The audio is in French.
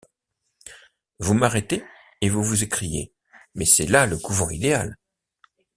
Vous m’arrêtez, et vous vous écriez: — Mais c’est là le couvent idéal!